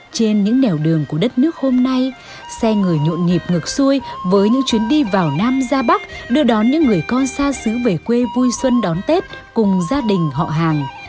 trên những nẻo đường của đất nước hôm nay xe người nhộn nhịp ngược xuôi với những chuyến đi vào nam ra bắc đưa đón những người con xa xứ về quê vui xuân đón tết cùng gia đình họ hàng